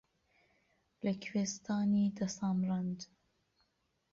لە کوێستانی دە سامرەند